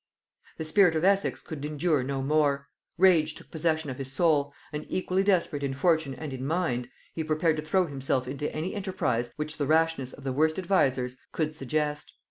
The spirit of Essex could endure no more; rage took possession of his soul; and equally desperate in fortune and in mind, he prepared to throw himself into any enterprise which the rashness of the worst advisers could suggest.